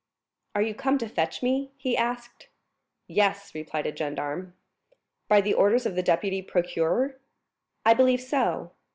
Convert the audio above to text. "Are you come to fetch me?" asked he. "Yes," replied a gendarme. "By the orders of the deputy procureur?" "I believe so."